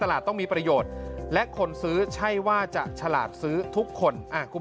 ต้องมีประโยชน์และคนซื้อใช่ว่าจะฉลาดซื้อทุกคนคุณ